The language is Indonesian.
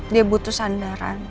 dia butuh sandaran